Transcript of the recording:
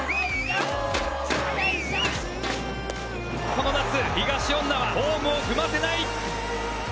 この夏、東恩納はホームを踏ませない。